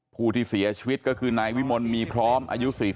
ผู้ที่เสียชีวิตก็คือนายวิมลมีพร้อมอายุ๔๐